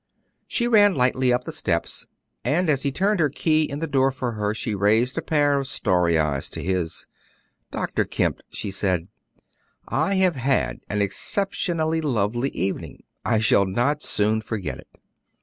She ran lightly up the steps, and as he turned her key in the door for her, she raised a pair of starry eyes to his. "Dr. Kemp," she said, "I have had an exceptionally lovely evening. I shall not soon forget it."